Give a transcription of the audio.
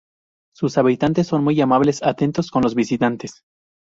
Sus habitantes son muy amables y atentos con los visitantes.